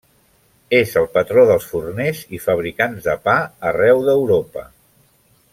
És el patró dels forners i fabricants de pa arreu d'Europa.